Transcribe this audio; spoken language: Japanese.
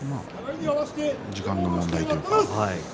時間の問題というか。